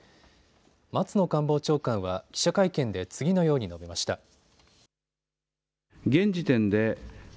松野官房長官は記者会見で次のように述べました。